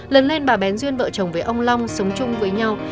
lần lên bà bén duyên vợ chồng với ông long sống chung với nhau